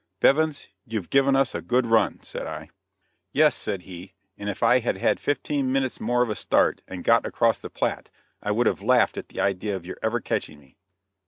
"Bevins, you've given us a good run," said I. "Yes," said he, "and if I had had fifteen minutes more of a start and got across the Platte, I would have laughed at the idea of your ever catching me."